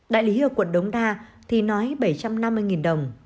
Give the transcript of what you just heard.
đại lý ở quận đống đa thì nói bảy trăm năm mươi đồng